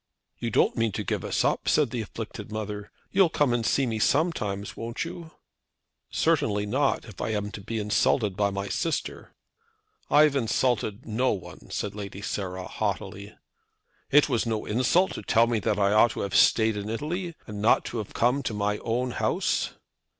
"You don't mean to give us up," said the afflicted mother. "You'll come and see me sometimes, won't you?" "Certainly not, if I am to be insulted by my sister." "I have insulted no one," said Lady Sarah, haughtily. "It was no insult to tell me that I ought to have stayed in Italy, and not have come to my own house!"